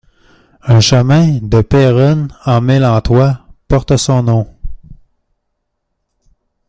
Un chemin de Péronne-en-Mélantois porte son nom.